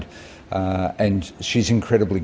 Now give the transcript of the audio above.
dan yang bisa memberikan oleh ibu dia